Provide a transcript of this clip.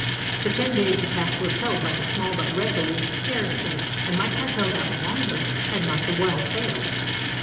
For ten days the castle was held by the small but resolute garrison, and might have held out longer had not the well failed.